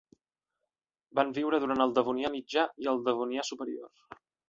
Van viure durant el Devonià mitjà i el Devonià superior.